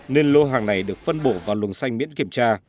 nên lô hàng này được phân bổ vào luồng xanh miễn kiểm tra